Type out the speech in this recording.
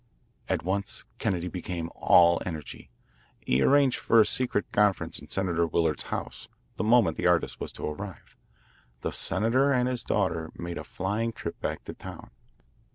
At once Kennedy became all energy. He arranged for a secret conference in Senator Willard's house, the moment the artist was to arrive. The senator and his daughter made a flying trip back to town.